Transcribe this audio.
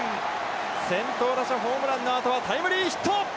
先頭打者ホームランのあとはタイムリーヒット！